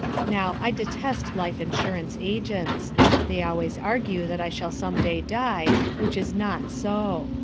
Now, I detest life insurance agents; they always argue that I shall some day die, which is not so.